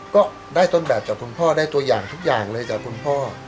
ก็ได้ต้นแบบจากคุณพ่อได้ตัวอย่างทุกอย่างเลยจากคุณพ่อ